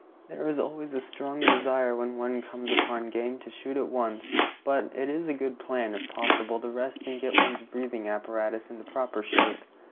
There is always a strong desire, when one comes upon game, to shoot at once; but it is a good plan, if possible, to rest and get one's breathing apparatus into proper shape.